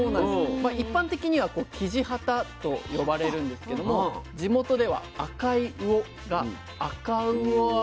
一般的にはきじはたと呼ばれるんですけども地元では赤い魚があかうおあ